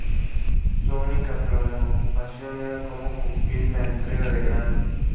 Su única preocupación era como cumplir la entrega de grano.